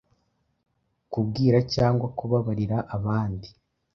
Kubwira cyangwa kubarira abandi